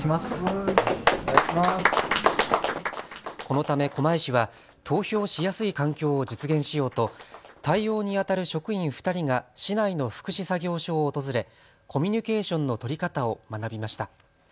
このため狛江市は投票しやすい環境を実現しようと対応にあたる職員２人が市内の福祉作業所を訪れコミュニケーションの取り方を学びました。